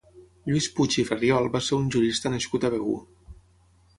Lluís Puig i Ferriol va ser un jurista nascut a Begur.